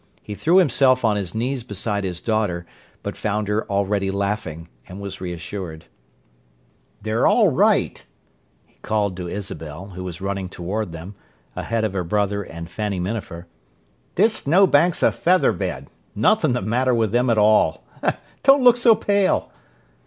He threw himself on his knees beside his daughter, but found her already laughing, and was reassured. "They're all right," he called to Isabel, who was running toward them, ahead of her brother and Fanny Minafer. "This snowbank's a feather bed—nothing the matter with them at all. Don't look so pale!"